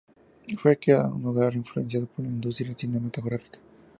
Fue criado en un hogar influenciado por la industria cinematográfica.